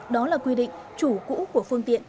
đó là quy định chủ cũ của phương tiện